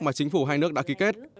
mà chính phủ hai nước đã ký kết